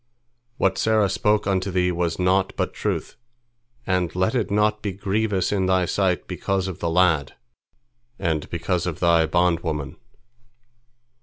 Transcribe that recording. What Sarah spoke unto thee was naught but truth, and let it not be grievous in thy sight because of the lad, and because of thy bondwoman."